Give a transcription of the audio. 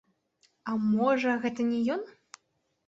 А можа, гэта не ён?